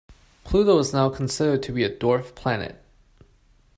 Pluto is now considered to be a dwarf planet